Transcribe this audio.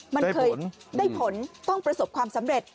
มันเคยได้ผลต้องประสบความสำเร็จ